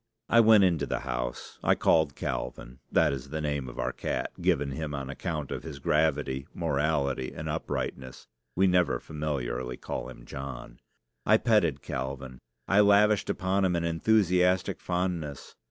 I went into the house. I called Calvin (that is the name of our cat, given him on account of his gravity, morality, and uprightness. We never familiarly call him John). I petted Calvin. I lavished upon him an enthusiastic fondness.